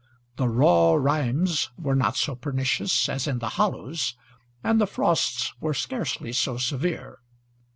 The raw rimes were not so pernicious as in the hollows, and the frosts were scarcely so severe.